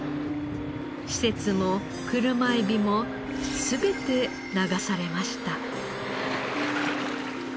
施設も車エビも全て流されました。